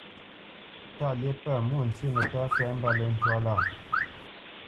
Tâʼ lyeʼ pə, mwô ntyê mətá fɛ̂ mbáləŋ twâ lâʼ.